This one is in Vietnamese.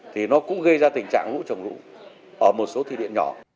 thì nó cũng gây ra tình trạng lũ trồng lũ ở một số thủy điện nhỏ